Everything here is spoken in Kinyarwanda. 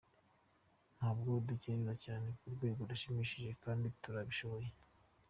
Ntabwo dutekereza cyane ku rwego rushimishije kandi turabishoboye.